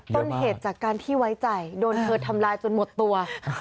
ต้นเหตุจากการที่ไว้ใจโดนเธอทำลายจนหมดตัว